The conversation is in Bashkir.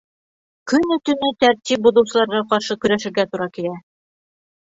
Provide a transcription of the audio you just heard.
Көнө-төнө тәртип боҙоусыларға ҡаршы көрәшергә тура килә.